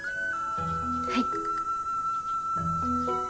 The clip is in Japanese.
はい。